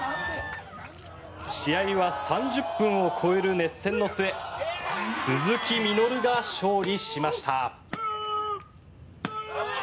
試合は３０分を超える熱戦の末鈴木みのるが勝利しました。